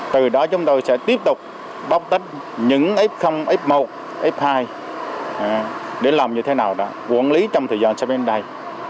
từ đó chúng tôi sẽ tiếp tục bóc tách những f f một f hai để làm như thế nào đó quản lý trong thời gian sau bên đây